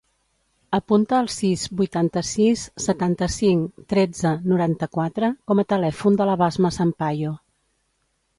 Apunta el sis, vuitanta-sis, setanta-cinc, tretze, noranta-quatre com a telèfon de la Basma Sampayo.